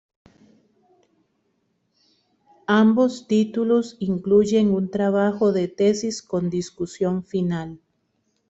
Ambos títulos incluyen un trabajo de tesis con discusión final.